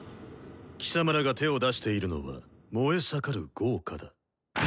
貴様らが手を出しているのは燃え盛る業火だ。